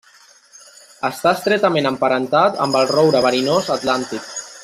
Està estretament emparentat amb el roure verinós atlàntic.